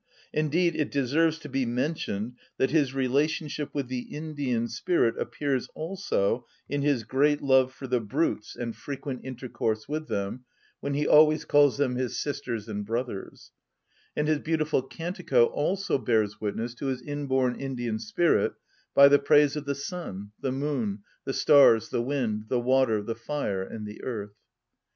Indeed it deserves to be mentioned that his relationship with the Indian spirit appears also in his great love for the brutes and frequent intercourse with them, when he always calls them his sisters and brothers; and his beautiful Cantico also bears witness to his inborn Indian spirit by the praise of the sun, the moon, the stars, the wind, the water, the fire, and the earth.